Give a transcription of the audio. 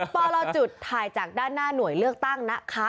ปลจุดถ่ายจากด้านหน้าหน่วยเลือกตั้งนะคะ